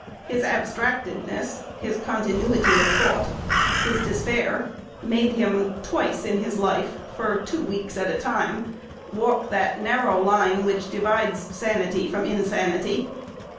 His abstractedness, his continuity of thought, his despair, made him, twice in his life, for two weeks at a time, walk that narrow line that divides sanity from insanity....